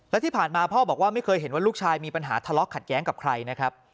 และที่ผ่านมาพ่อบอกว่าไม่เคยเห็นว่าลูกชายมีปัญหาทะเลาะขัดแย้งกับใครนะครับ